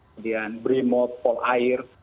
kemudian brimot polair